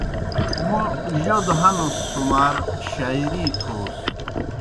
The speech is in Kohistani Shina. موْ جودوْ ہنُس سُمار شاعری تھوس۔